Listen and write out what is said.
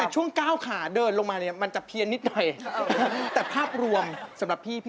ฉันกำหนดเองในเส้นทางเดิน